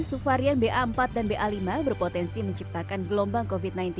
subvarian ba empat dan ba lima berpotensi menciptakan gelombang covid sembilan belas